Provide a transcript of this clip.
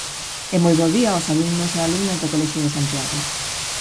E moi bo día aos alumnos e alumnas do colexio de Santiago.